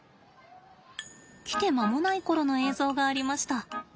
来て間もない頃の映像がありました。